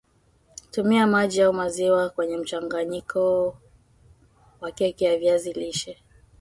Tumia maji au maziwa kwenyemchanganyiko wa keki ya viazi lishe